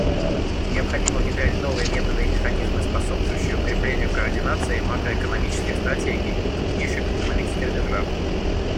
Необходимо внедрять новые методы и механизмы, способствующие укреплению координации макроэкономических стратегий крупнейших экономических держав.